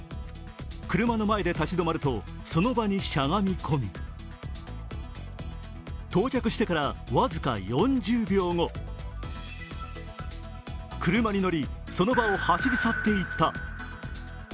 車の前で立ち止まると、その場にしゃがみ込み到着してから僅か４０秒後、車に乗り、その場を走り去っていった。